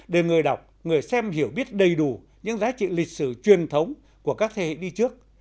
để người đọc người xem hiểu biết đầy đủ những giá trị lịch sử truyền thống của các thế hệ đi trước